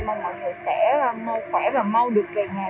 mong mọi người sẽ mâu khỏe và mâu được về nhà